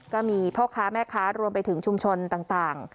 ก็มีพ่อค้าแม่ค้ารวมไปถึงชุมชนต่าง